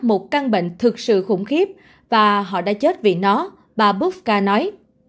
một căn bệnh thực sự khủng khiếp và họ đã chết vì nó bà boska nói